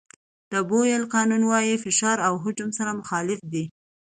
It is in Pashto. د بویل قانون وایي فشار او حجم سره مخالف دي.